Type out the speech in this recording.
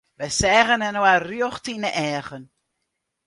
Wy seagen inoar rjocht yn 'e eagen.